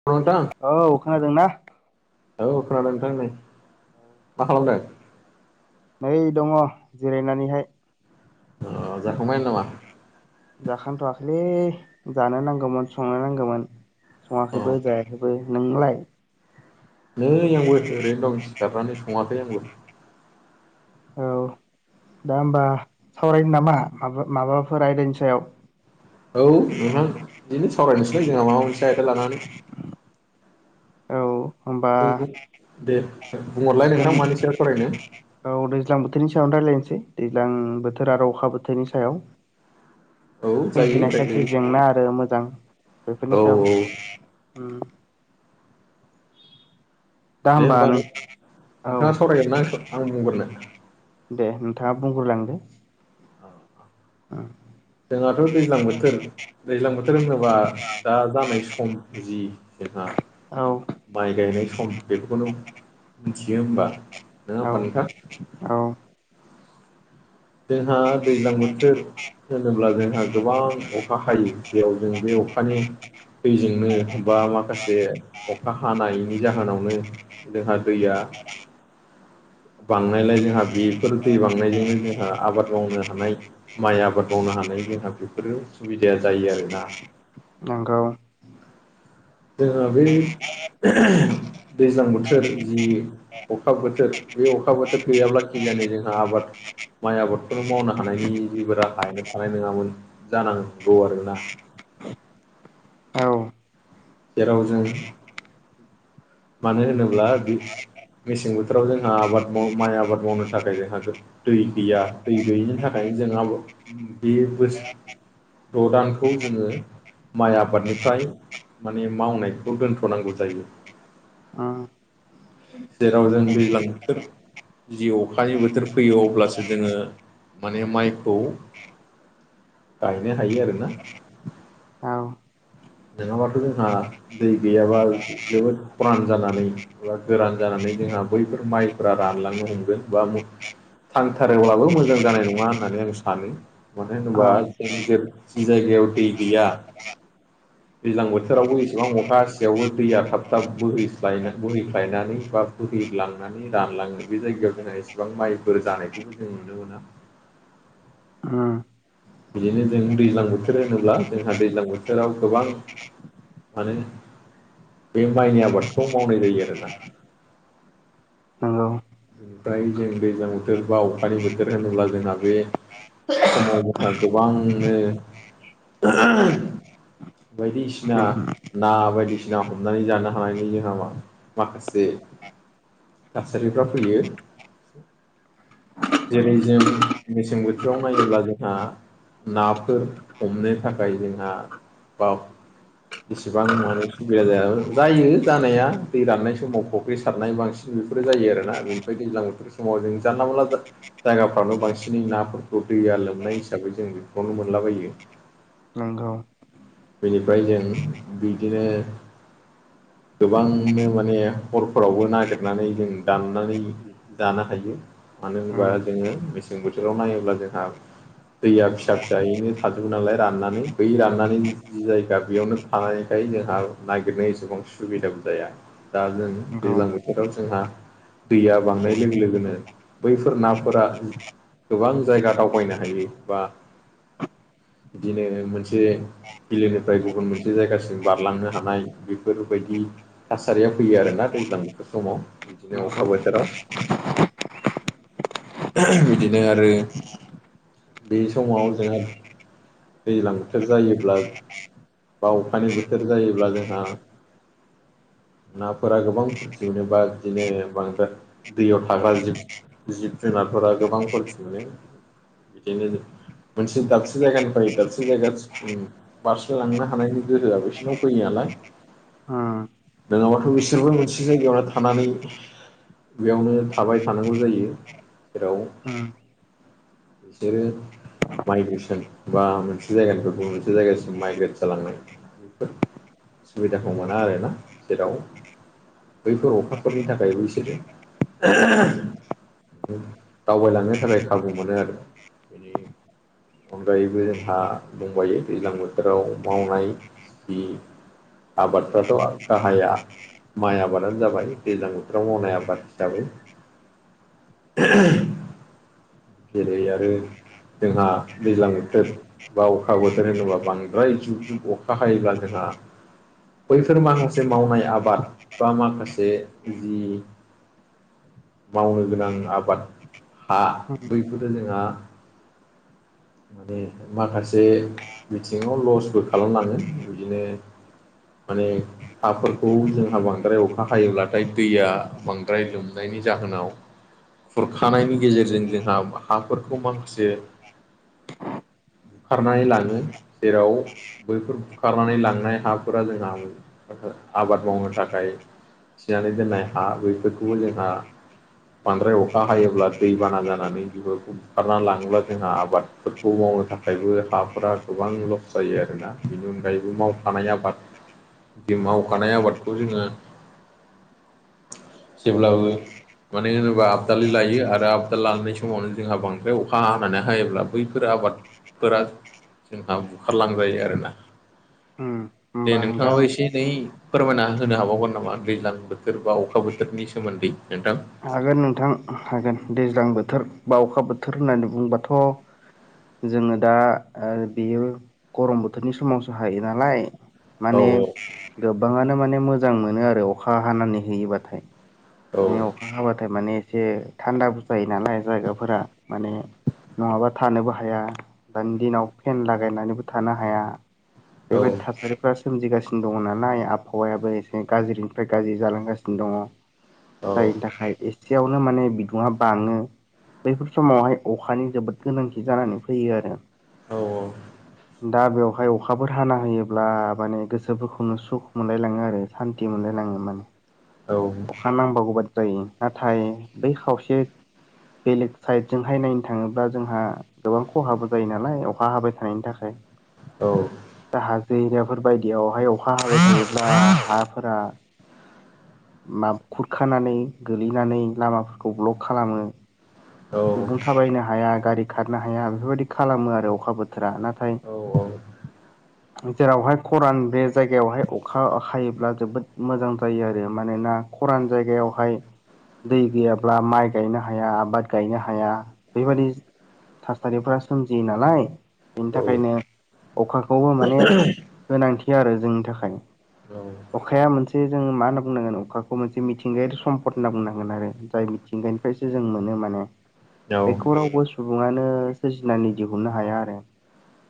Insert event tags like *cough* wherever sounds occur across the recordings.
*unintelligible* औ खोनादों ना। औ खोनादों नोंथां नै मा खालामदों? नै दङ जिरायनानैहाय। अ जाखांबाय नामा? जाखांथ'वाखै जानो नांगौमोन संनो नांगौमोन। अ सङाखैबो जायाखैबो नोंलाय? नै आंबो ओरैनो दं सिखारनानै सङाखै आंबो। औ दा होमबा सावरायनो नामा मा माबाफोर आयदानि सायाव। औ नोंथां बिदिनो सावरायनोसैलै जोंहा माबा मोनसे आयदा लानानै। औ होमबा जों दे बुंहरलाय नोंथां मानिसायाव सरायनो। औ दैज्लां बोथोरनि सायावनो रायज्लायनोसै दैज्लां बोथोर आरो अखा बोथोरनि सायाव। औ जायो सोमजिनाय खयसे रायलायो जेंना आरो मोजां बेफोरनि औ सायाव दा दे होमबा नों नो औ नोंथाङा सावरायगोन ना आं बुंग्रोनो? दे नोंथाङा बुंग्रोलांदो। औ औ। *unintelligible* जोंहाथ' दैज्लां बोथोर दैज्लां बोथोर होनोबा दा जानाय सम जि जोंहा औ। माइ गायनाय सम बेफोरखौनो मिथियो होमबा नंङा औ होमबा नोंथां? औ। जोंहा दैज्लां बोथोर होनोब्ला जोंहा गोबां अखा हायो जेरयाव जों बे अखानि दैजोंनो बा माखासे अखा हानायनि जाहोनावनो जोंहा दैया बांनायलाय जोंहा बेफोर दै बांनायजोंनो जों ओ आबाद मावनो हानाय माइ आबाद मावनो हानाय जोंहा बेफोरो सुबिदाया जायो आरोना। नंगौ। जोंहा बे *unintelligible* दैज्लां बोथोर जि अखा बोथोर बे अखा बोथोर गैयाब्ला खिजानि जोंहा आबाद माइ आबादखौनो मावनो हानायनि जेबो राहायानो थानाय नङामोन जानांगौ आरोना। औ जेराव जों मानो होनोब्ला बे मेसें बोथोराव जोंहा आबाद माव माइ आबाद मावनो थाखाय जोंहा गो दै गैया दै गैयिनि थाखायनो जों आबा बे बोसोर द' दानखौ जोङो माइ आबादनिफ्राय माने मावनायखौ दोनथ'नांगौ जायो। ओं। जेराव जों दैज्लां बोथोर जि अखानि बोथोर फैयो अब्लासो जोङो माने माइखौ गायनो हायो आरो ना। औ नंङाबाथ' जोंहा दै गैयाबा जोबोद खरान जानानै एबा गोरान जानानै जोंहा बैफोर माइफोरा रानलांनो हमगोन बा थांथारोब्लाबो मोजां जानाय नङा होननानै आं सानो। मानो औ होनोबा जों जेर जि जायगायाव दै गैया दैज्लां बोथोरावबो एसेबां अखा हसेयावबो दैया थाब थाब बोहैस्लाय बोहैख्लायनानै बा बोहैलांनानै रानलाङो बे जायगायाव जोंहा इसेबां माइफोर जानायखौबो जों नुनो मोना। ओं। बिदिनो जों दैज्लां बोथोर होनोब्ला जोंहा दैज्लां बोथोराव गोबां माने बे माइनि आबादखौ मावनाय जायो आरोना। नंगौ ओमफ्राय जों दैज्लां बोथोर बा अखानि बोथोर होनोब्ला जोंहा बे समाव जोंहा गोबांनो *unintelligible* बायदिसिना ना बायदिसिना हमनानै जानो हानायनि जोंहा मा माखासे थासारिफ्रा फैयो। जेरै जों मेसें बोथोराव नायोब्ला जोंहा नाफोर हमनो थाखाय जोंहा बा इसेबां माने सुबिदा जाया जायो जानाया दै राननाय समाव फख्रि सारनाय बांसि बेफोरो जायो आरोना बेनिफ्राय दैज्लां बोथोर समाव जों जानला मोनला जायगाफ्रावनो बांसिनै नाफोरखौ दैया लोमनाय हिसाबै जों बेफोरावनो मोनलाबायो। ओं। बेनिफ्राय जों बिदिनो गोबांनो माने हरफोरावबो नागिरनानै जों दाननानै दानो हायो। मानो होनबा उम जोङो मेसें बोथोराव नायोब्ला जोंहा दैया फिसा फिसायैनो थाजोबो नालाय राननानै बै राननानै जि जायगा बेयावनो थानायखाय जोंहा नागिरनाय एसेबां सुबिदाबो जाया। दा जों नंगौ दैज्लां बोथोराव जोंहा दैया बांनाय लोगो लोगोनो बैफोर नाफोरा गोबां जायगा दावबायनो हायो बा बिदिनो मोनसे बिलोनिफ्राय गुबुन मोनसे जायगासिम बारलांनो हानाय बेफोरबायदि थासारियाव फैयो आरोना दैज्लां बो समाव बिदिनो अखा नंगौ। बोथोराव बिदिनो आरो बे समाव जोंहा दैज्लां बोथोर जायोब्ला बा अखानि बोथोर जायोब्ला जोंहा नाफोरा गोबां फुरथि मोनोबा बिदिनो बांद्राय दैयाव थाग्रा जिब जिब जुनारफोरा गोबांफोर फ मोनो। बिदिनो मोनसे दाबसे जायगानि फ दाबसे जायगा बारसलांनो हानायनि गोहोआ बिसिोरनाव फैयो नालाय अ। नोङाबाथ' बिसोरबो मोनसे जायगायावनो थानानै बेयावनो थाबाय थानांगौ जायो जेराव उम बिसोरो माइग्रेसन बा मोनसे जायगानि मोनसे जायगासिम माइग्रेट जालांनाय। बेफोर सुबिदाखौ मोना आरोना जेराव बैफोर अखा फोरनि थाखायबो बिसोरो दावबायलांनो थाखाय खाबु मोनो आरो बेनि अनगायैबो जोंहा दंबायो दैज्लां बोथोराव मावनाय जि आबादफ्राथ' गाहाया माइ आबादानो जाबाय। दैजां बोथोराव मावनाय आबाद हिसाबै जेरै आरो जोंहा दैज्लां बोथोर बा अखा बोथोर होनोबा बांद्राय जुब जुब अखा हायोब्ला जोंहा बैफोर माखासे मावनाय आबाद बा माखासे जि मावनो गोनां आबाद हा बैफोर जोंहा माने माखासे बिथिङाव लसबो खालामलाांगोन बिदिनो माने हाफोरखौ जोंहा बांद्राय अखा हायोब्लाथाय दैया बांद्राय लोमनायनि जाहोनाव खुरखानायनि गेजेरजों जोंहा हाफोरखौ माखासे ुखारनानै लाङो जेराव बैफोर बखारनानै लांनाय हाफोरा जोंहा मोन आबाद मावनो थाखाय खिनानै दोननाय हा बैफोरखौबो जोंहा बांद्राय अखा हायोब्ला दैबाना जानानै बिब बखारना लाङोब्ला जोंहा आबादफोरखौ मावनो थाखायबो हाफोरा गोबां ल जायो आरोना बेनि अनगायैबो मावफ आबाद बि मावखानाय आबादखौ जोङो जेब्लाबो मानो होनोबा आबदालि लायो आरो आबदाल लानानै बे समावनो जोंहा बांद्राय अखा हानानै हायोब्ला बैफोर आबादफोरा जोंहा बुखारलांजायो आरोना? उम। दे होमबा नोंथां नोंथाङाबो एसे एनै फोरमायना होनो हाबावगोन नामा दैज्लां बोथोर बा अखा बोथोरनि सोमोन्दै नोंथां? हागोन नोंथां हागोन दैज्लां बोथोर बा अखा बोथोर होननानै बुंबाथ' जोङो दा बेयो गरम बोथोरनि समावसो हायो नालाय औ माने गोबाङानो माने मोजां मोनो आरो अखा हानानै होयोबाथाय। औ माने अखा हाबाथाय माने एसे थान्दाबो जायो नालाय जायगाफोरा माने नङाबा थानोबो हाया दानि दिनाव फेन लागायनानैबो थानो हाया। औ बेबायदि थासारि फ्रा सोमजिगासिनो दङ नालाय आबहावायाबो एसे गाज्रिनिफ्राय गाज्रि जालांगासिनो दङ। औ जायनि थाखाय एसेयावनो माने बिदुङा बाङो। बैफोर समावहाय अखानि जोबोद गोनांथि जानानै फैयो आरो। औ औ। दा बेवहाय अखाफोर हाना होयोब्ला माने गोसोफोरखौनो सुख मोनलायलाङो आरो। सान्ति मोनलायलाङो माने। औ हानांबावगौबादि जायो नाथाय बै खावसे बेलेग साइडजोंहाय नायनो थाङोब्ला जोंहा गोबां खहाबो जायो नालाय अखा हाबाय थानायनि थाखाय। औ दा हाजो एरियाफोर बायदियावहाय अखा हाबाय थायोब्ला हाफोरा माब खुरखानानै गोलैनानै लामाफोरखौ ब्लक खालामो। औ सुबुं थाबायनो हाया गारि खारनो हाया बेफोरबायदि खालामो आरो अखा बोथ बोथोरा नाथाय औ औ जेरावहाय खरान बे जायगायावहाय अखा हायोब्ला जोबोद मोजां जायो आ रो मानोना खरान जायगायावहाय दै गैयाब्ला माइ गायनो हाया आबाद गायनो हाया बेबादि थासारिफोरा सोमजियो नालाय। बेनि थाखायनो अखाखौबो माने गोनांथि आरो जोंनि थाखाय। औ अखाया मोनसे जोङो मा होनना बुंनांगोन अखाखौ मोनसे मिथिंगायारि सम्पद होनना बुंनांगोन आरो जाय मिथिंगानि फ्रायसो जों मोनो माने। बेखौ रावबो सुबुङानो सोरजिनानै दिहुननो हाया आरो।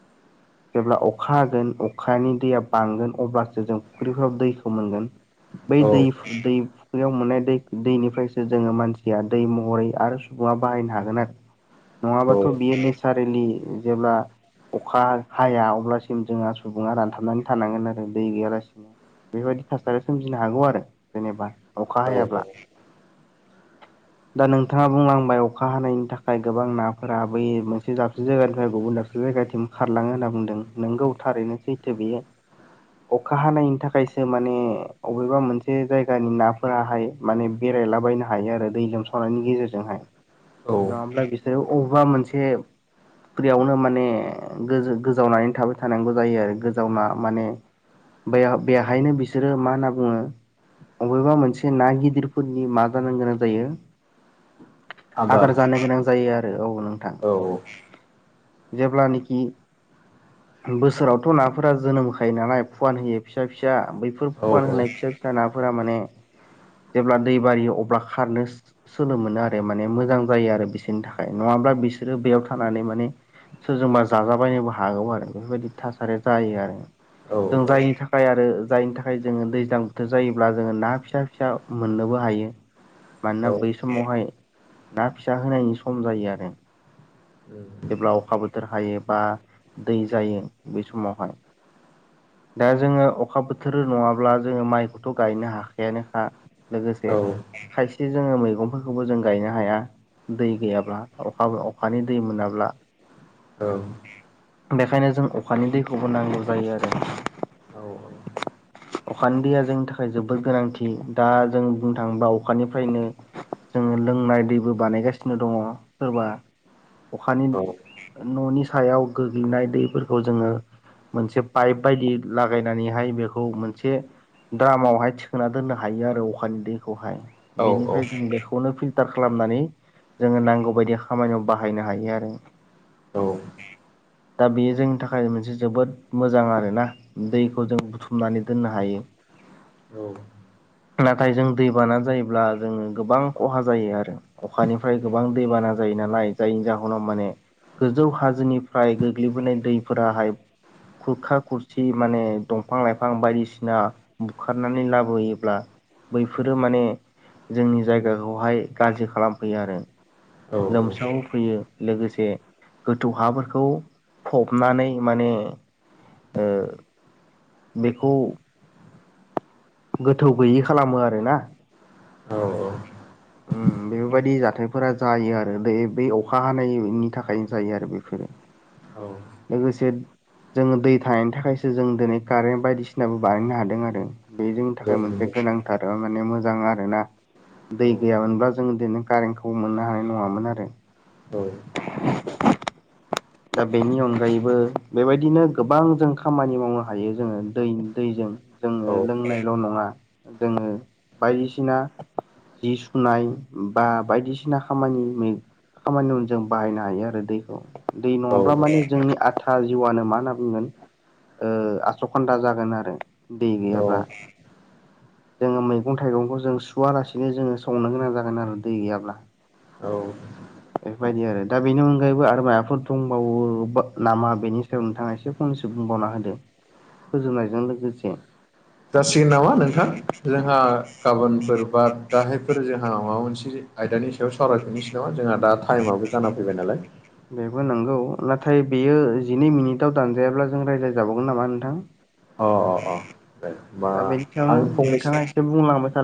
*unintelligible* जेब्ला अखा हागोन अखानि दैया बांगोन अब्लासो जों फुख्रिफोराव दैखौ मोनगोन। बै दै दै फुख्रियाव मोननाय दै दैनिफ्रायसो जोङो मानसिया दै महरै आरो सुबुङा बाहायनो हागोन आरो नङाबाथ' बियो नेसारेलि जेब्ला अखा हाया अब्लासिम जोंहा सुबुङा रानथाबनानै थानांगोन आरो दै गैयालासिनो। बेबायदि थासारिया सोमजिनो हागौ आरो जेनेबा। अखा हायाब्ला दा नोंथाङा बुंलां बाय अखा हानायनि थाखाय गोबां नाफोरा बै मोनसे दाबसेन जायगानिफ्राय गुबुन दाबसे जायगाथिं खारलाङो होनना बुंदों नोंगौ थारैनो सैथो बेयो। अखा हानायनि थाखायसो माने अबेबा मोनसे जायगानि नाफोराहाय माने बेरायलाबायनो हायो आरो दै लोमसावनायनि गेजेरजोंहाय। नङाब्ला बिसोरो अबेबा मोनसे फुख्रियावनो माने गोजो गोजावनानै थाबाय थानांगौ जायो आरो गोजावना माने। बेयाव बेहायनो बिसोरो मा होनना बुङो अबेबा मोनसे ना गिदिरफोरनि मा जानो गोनां जायो आदार जानो गोनां जायो आरो औ नोंथां जेब्लानिखि बोसोरावथ' नाफोरा जोनोम होखायो नालाय फुवान होयो फिसा फिसा बैफोर फुवान होनाय फिसा नाफोरा माने जेब्ला दै बारियो अब्ला खारनो सोलो मोनो आरो। आरो माने मोजां जायो आरो बिसोरनि थाखाय नङाब्ला बिसोरो बेयाव थानानै माने सोरजोंबा जाजाबायनोबो हागौ आरो बेफोरबायदि थासारिया जायो आरो जों जायनि थाख खाय आरो जायनि थाखाय जोङो दैज्लां बोथोर जायोब्ला जोङो ना फिसा फिसा मोननोबो हायो। *unintelligible* मानोना बै समावहाय ना फिसा होनायनि सम जायो आरो। जेब्ला अखा बोथोर हायो बा दै जायो बै समावहाय। दा जोङो अखा बोथोर नङाब्ला जोङो माइखौथ' गायनो हाखायानोखा लोगोसे *unintelligible* खायसे जोङो मैगंफोरखौबो जों गायनो हाया दै गैयाब्ला अखा अखानि दै मोना ब्ला औ बेखायनो जों अखानि दैखौबो नांगौ जायो आरो औ औ *inaudible* अखानि दैया जोंनि थाखाय जोबोद गोनांथि दा जों बुंनो थाङोबा अखानिफ्रायनो जोङो लोंनाय दैबो बानायगासिनो दङ सोरबा अखानि न'नि सायाव गोग्लैनाय दैफोरखौ जोङो मोनसे पाइप बायदि लागायनानैहाय बेखौ मोनसे द्रामावहाय थिखोना दोननो हायो आरो अखानि दैखौहाय बेनिफ्राय जों बेखौनो फिल्टार खालामनानै जोङो नांगौ बायदि खामानियाव बाहायनो हायो नि आरो *inaudible* दा बियो जोंनि थाखाय मोनसे जोबोद मोजां आरो ना दैखौ जों बुथुमनानै दोननो हायो औ नाथाय जों दै बाना जायोब्ला जोङो गोबां खहा जायो आरो अखानिफ्राय गोबां दैबाना जायो नालाय जायनि जा उनाव माने गोजौ हाजोनिफ्राय गोग्लैबोनाय दैफोराहाय खुरखा खुरसि माने दंफां लाइफां बायदिसिना बुखारनानै लाबोयोब्ला बैफोरो माने जोंनि जायगाखौहाय गाज्रि खालामफैयो आरो लोमसावहोफैयो लोगोसे गोथौ हाफोरखौ फबनानै माने ओ बेखौ गोथौ गैयि खालामो आरो ना औ औ उम बे बेफोरबायदि जाथायफोरा जायो आरो दे बे अखा हानायनि थाखायनो जायो आरो बेफोरो औ लोगोसे जोङो दै थानायनि थाखायसो जों दिनै कारेन्ट बायदिसिनाबो बानायनो हादों आरो बे जोंनि थाखाय मोनसे गोनांथार ओ माने मोजां आरोना दै गैयामोनबा जोङो दिनै कारेनखौबो मोननो हानाय नङामोन आरो *inaudible* दा बेनि अनगायैबो बेबायदिनो गोबां जों खामानि मावनो हायो जोङो दै नि दैजों जोङो लोंनायल' नङा जोङो बायदिसिना जि सुनाय बा बायदिसिना खामानिनि खामानियावनो जों बाहायनो हायो आरो दैखौ दै नङाब्ला माने जोंनि आथा जिउआनो मा होनना बुंगोन ओ आसखान्दा जागोन आरो दै औ गैयाब्ला जोङो मैगं थाइगंखौ जों सुवालासिनो जोङो संनो गोनां जागोन आरो दै गैयाब्ला औ बेफोरबायदि आरो दा बिनि अनगायैबो आरो माबफोर दंबावो नामा बेनि सायाव नोंथाङा इसे फंनैसो बुंबावना होदो फोजोबनायजों लोगोसे जासिगोन नामा नोंथां जोंहा गाबोनफोर बा दाहायफोर जोंहा माबा मोनसे आयदानि सा बेआव सावरायफिननोसै नामा जोंहा दा टाइमाबो जाना फैबाय नालाय। बेबो नंगौ नाथाय बेयो जिनै मिनिटाव दानजायाब्ला जों रायज्लाय जाबावगोन नामा नोंथां? अ अ। अ दे होमबा दा आं बेखिनियावनो फंनैसो नोंथाङा एसे बुंलांबाय थादो